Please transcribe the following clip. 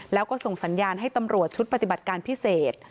แล้วก็ส่งสัญญาณให้ตำรวจชุดปฏิบัติการพิเศษ